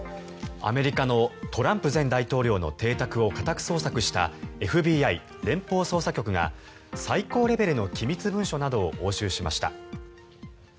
アメリカのトランプ前大統領の邸宅を家宅捜索したＦＢＩ・連邦捜査局が最高レベルの機密文書などを押収しました。